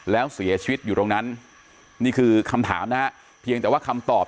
แล้วเสียชีวิตอยู่ตรงนั้นนี่คือคำถามนะฮะเพียงแต่ว่าคำตอบ